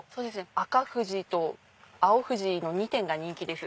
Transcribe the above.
赤富士と青富士の２点が人気です。